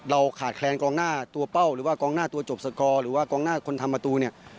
ขาดแคลนกองหน้าตัวเป้าหรือว่ากองหน้าตัวจบสกอร์หรือว่ากองหน้าคนทำประตูเนี่ย